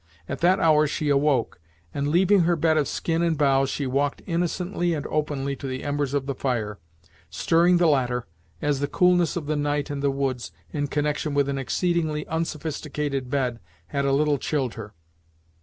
At that hour she awoke, and leaving her bed of skin and boughs she walked innocently and openly to the embers of the fire, stirring the latter, as the coolness of the night and the woods, in connection with an exceedingly unsophisticated bed, had a little chilled her.